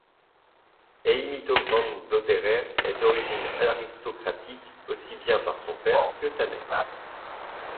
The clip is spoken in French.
Heimito von Doderer est d'origine aristocratique aussi bien par son père que sa mère.